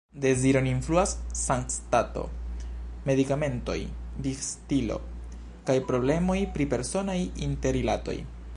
Deziron influas sanstato, medikamentoj, vivstilo kaj problemoj pri personaj interrilatoj.